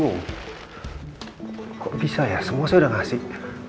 kok bisa ya semua saya udah ngasih